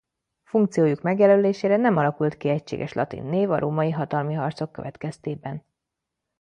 Funkciójuk megjelölésére nem alakult ki egységes latin név a római hatalmi harcok következtében.